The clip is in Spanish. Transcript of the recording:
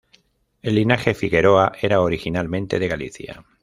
El linaje Figueroa era originalmente de Galicia.